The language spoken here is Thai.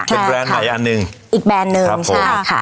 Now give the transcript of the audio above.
เป็นแบรนด์ใหม่อันหนึ่งอีกแบรนด์หนึ่งใช่ค่ะ